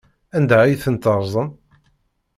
Anda ay tent-terẓam?